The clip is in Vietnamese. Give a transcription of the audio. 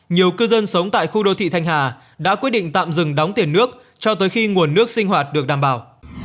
nhiều cư dân sống tại khu đô thị thanh hà đã quyết định tạm dừng đóng tiền nước cho tới khi nguồn nước sinh hoạt được đảm bảo